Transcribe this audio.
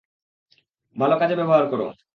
ভালো কাজে ব্যবহার কোরো।